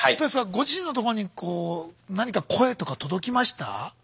ご自身のとこにこう何か声とか届きました？